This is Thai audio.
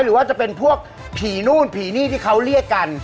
หรือว่าจะเป็นพวกผีนู่นผีนี่ที่เขาเรียกกัน